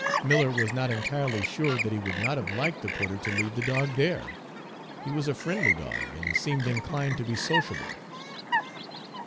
Miller was not entirely sure that he would not have liked the porter to leave the dog there; he was a friendly dog, and seemed inclined to be sociable.